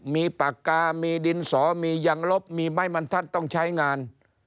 มีปากกามีดินสอมียังลบมีไหมมันท่านต้องใช้งาน